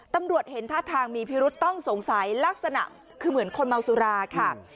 ตำรวจเห็นท่าทางมีพิรุษต้องสงสัยลักษณะคือเหมือนคนเมาสุราค่ะ